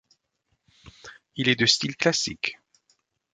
Il est de style classique.